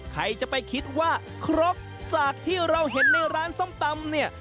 ใครจะไปคิดว่าครกสากที่เราเห็นในร้านส้มตำเนี่ย